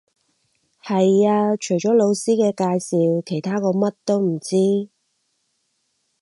係呀，除咗老師嘅介紹，其他我乜都唔知